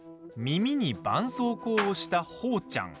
耳に、ばんそうこうをしたほーちゃん。